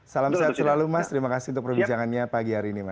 salam sehat selalu mas terima kasih untuk perbincangannya pagi hari ini mas